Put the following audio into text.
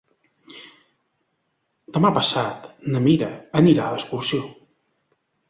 Demà passat na Mira anirà d'excursió.